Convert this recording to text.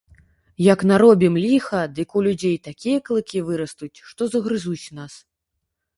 Як наробім ліха, дык у людзей такія клыкі вырастуць, што загрызуць нас.